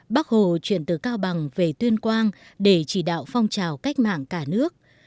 bác hồ chuyển từ cao bằng về tuyên quang để chỉ đạo phong trào cách mạng cả nước